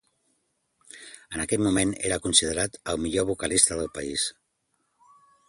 En aquell moment era considerat el millor vocalista del país.